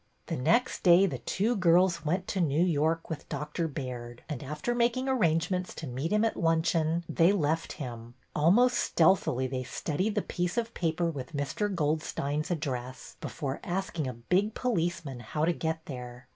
The next day the two girls went to New York with Dr. Baird, and, after making arrangements to meet him at luncheon, they left him. Almost stealthily they studied the piece of paper with Mr. Goldstein's address before asking a big police man how to get there.